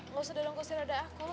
gak usah dongkosin rada aku